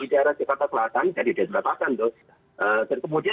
itu bisa berbeda beda